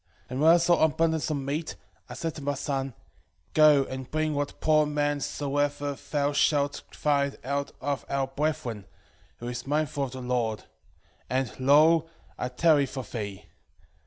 2:2 And when I saw abundance of meat, I said to my son, Go and bring what poor man soever thou shalt find out of our brethren, who is mindful of the Lord; and, lo, I tarry for thee.